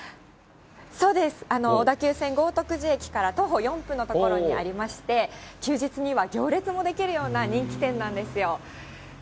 そうです、小田急線豪徳寺駅から徒歩４分の所にありまして、休日には行列も出来るような人気店なんですよ。